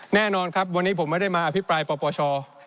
แน่นอนครับวันนี้ผมไม่ได้มาอภิปรายปปช